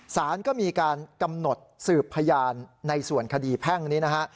สารก็มีการกำหนดสืบพยานในส่วนคดีแพ่งนี้นะฮะ